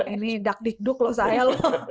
ini dakdikduk loh saya